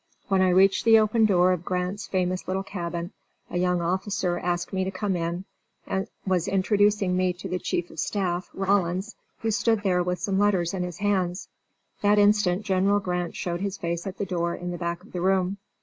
When I reached the open door of Grant's famous little cabin a young officer asked me to come in, and was introducing me to the chief of staff, Rawlins, who stood there with some letters in his hands. That instant General Grant showed his face at the door in the back of the room.